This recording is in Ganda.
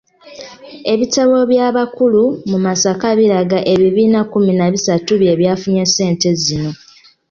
Ebitabo by'abakulu mu Masaka biraga ebibiina kkumi na bisatu bye byafunye ssente zino